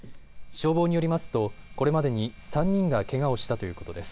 消防によりますと、これまでに３人がけがをしたということです。